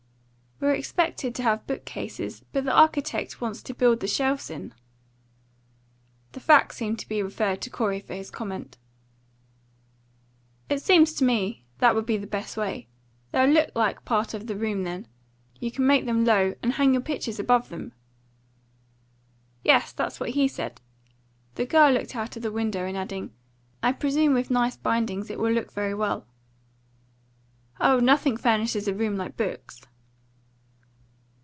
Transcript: "We expected to have book cases, but the architect wants to build the shelves in." The fact seemed to be referred to Corey for his comment. "It seems to me that would be the best way. They'll look like part of the room then. You can make them low, and hang your pictures above them." "Yes, that's what he said." The girl looked out of the window in adding, "I presume with nice bindings it will look very well." "Oh, nothing furnishes a room like books."